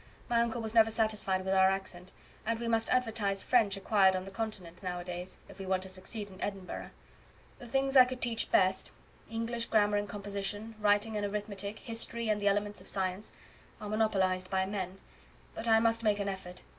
My uncle was never satisfied with our accent; and we must advertise French acquired on the Continent now a days, if we want to succeed in Edinburgh. The things I could teach best English grammar and composition, writing and arithmetic, history, and the elements of science are monopolized by men; but I must make an effort.